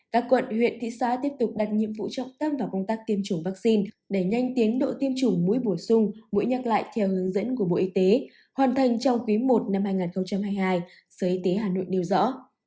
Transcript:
các quận huyện thị xã tiếp tục đặt nhiệm vụ trọng tâm vào công tác tiêm chủng vaccine đẩy nhanh tiến độ tiêm chủng mũi bổ sung mũi nhắc lại theo hướng dẫn của bộ y tế hoàn thành trong quý i năm hai nghìn hai mươi hai sở y tế hà nội nêu rõ